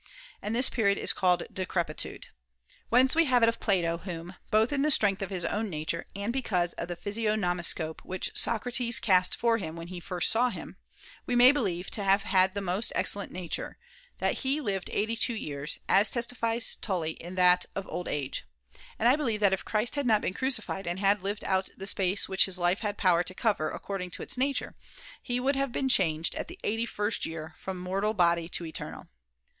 And this period is called decrepitude. Whence we have it of Plato — whom (both in the strength of his own nature, and because of the [603 physiognomiscope which Socrates cast for him when first he saw him) we may believe to have had the most excellent nature — that he lived eighty two years, as testifies Tully in that Of Old Age. And I believe that if Christ had not been crucified and had lived out the space which his life had power to cover according to its nature, he would have been changed at the eighty first year from mortal body to eternal.